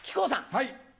はい。